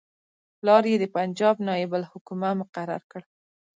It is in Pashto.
پلار یې د پنجاب نایب الحکومه مقرر کړ.